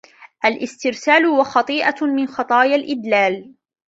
الِاسْتِرْسَالِ ، وَخَطِيئَةٌ مِنْ خَطَايَا الْإِدْلَالِ